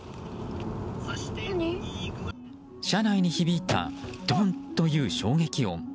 車内に響いたドンという衝撃音。